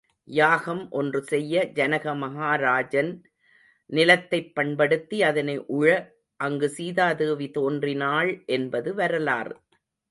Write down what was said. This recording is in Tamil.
யாகம் ஒன்று செய்ய ஜனக மகாராஜன் நிலத்தைப் பண்படுத்தி அதனை உழ, அங்கு சீதாதேவி தோன்றினாள் என்பது வரலாறு.